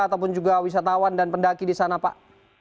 ataupun juga wisatawan dan pendaki di sana pak